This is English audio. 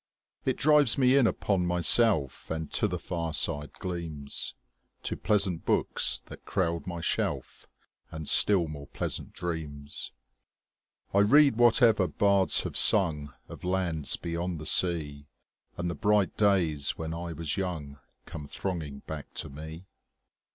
It drives me in upon myself 5 And to the fireside gleams, To pleasant books that crowd my shelf, And still more pleasant dreams. I read whatever bards have sung Of lands beyond the sea, 10 And the bright days when I was young Come thronging back to me.